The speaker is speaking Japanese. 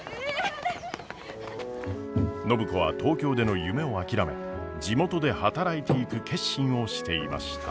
暢子は東京での夢を諦め地元で働いていく決心をしていました。